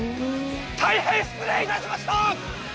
大変失礼いたしました！